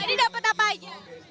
ini dapet apa aja